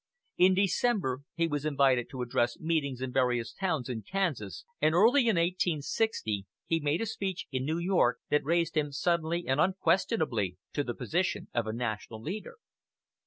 In December he was invited to address meetings in various towns in Kansas, and early in 1860 he made a speech in New York that raised him suddenly and unquestionably to the position of a national leader.